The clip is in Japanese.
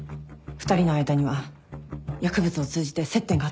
２人の間には薬物を通じて接点があった。